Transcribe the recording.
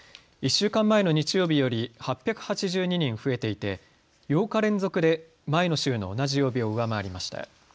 １週間前の日曜日より８８２人増えていて８日連続で前の週の同じ曜日を上回りました。